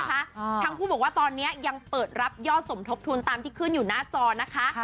ทั้งคู่บอกว่าตอนนี้ยังเปิดรับยอดสมทบทุนตามที่ขึ้นอยู่หน้าจอนะคะ